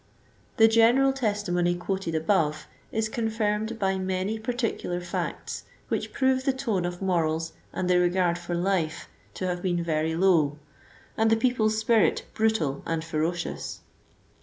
The general testimony quoted above, is confirmed by many particular facts which prove the tone of morals and the regard for life to have been very low, and the people's spirit brutal and ferocious.